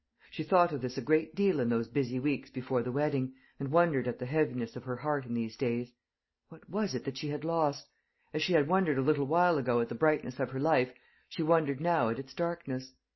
She thought of this a great deal in those busy weeks before the wedding, and wondered at the heaviness of her heart in these days. What was it that she had lost? As she had wondered a little while ago at the brightness of her life, she wondered now at its darkness.